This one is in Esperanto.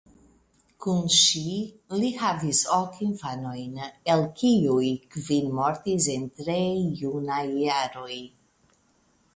Kun ŝi li havis ok infanojn el kiuj kvin mortis en tre junaj jaroj.